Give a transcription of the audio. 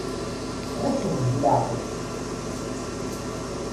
Txuṣṣeḍ deg leɛqel!